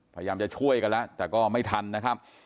พยายามจะช่วยกันแล้วแต่ก็ไม่ทันนะครับ